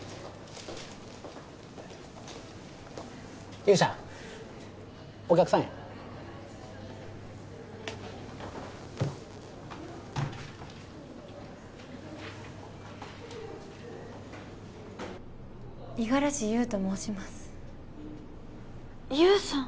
勇者お客さんや五十嵐優と申します優さん？